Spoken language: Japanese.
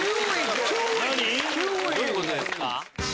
どういうことですか？